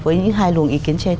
với những hai luồng ý kiến trên